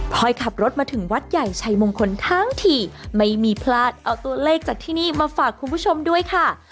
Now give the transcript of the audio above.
พอยขับรถมาถึงวัดใหญ่ชัยมงคลทั้งทีไม่มีพลาดเอาตัวเลขจากที่นี่มาฝากคุณผู้ชมด้วยค่ะ